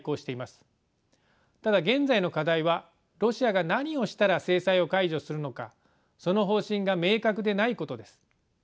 ただ現在の課題はロシアが何をしたら制裁を解除するのかその方針が明確でないことです。